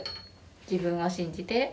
自分を信じて！！